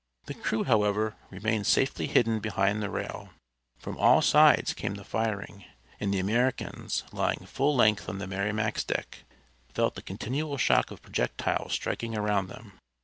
The crew, however, remained safely hidden behind the rail. From all sides came the firing, and the Americans, lying full length on the Merrimac's deck, felt the continual shock of projectiles striking around them.